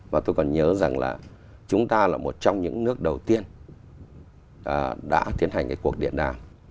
và tôi còn nhớ rằng là chúng ta là một trong những nước đầu tiên đã tiến hành cái cuộc điện đàm